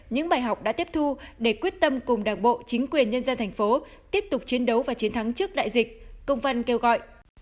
những bài học đã tiếp thu để quyết tâm cùng đảng bộ chính quyền nhân dân thành phố tiếp tục chiến đấu và chiến thắng trước đại dịch công văn kêu gọi